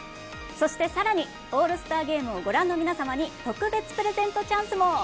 そして、更にオールスターゲームをご覧の皆様に特別プレゼントチャンスも。